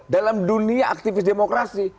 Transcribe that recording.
dalam dunia aktifis demokrasi